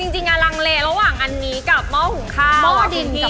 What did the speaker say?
จริงอะรังเลระหว่างอันนี้กับหม้อหุ้งข้าวอะคุณพี่